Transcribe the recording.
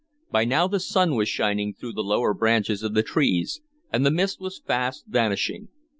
By now the sun was shining through the lower branches of the trees, and the mist was fast vanishing.